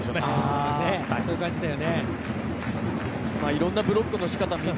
いろんなブロックの仕方